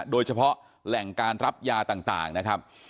โดยเฉพาะแหล่งการรับยาต่างนะครับ